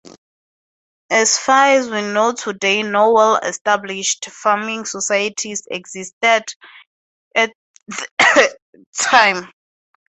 As far as we know today no well-established farming societies existed at the time.